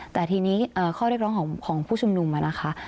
แต่ทีนี้ข้อเรียกร้องของผู้ชุมนุมนะคะ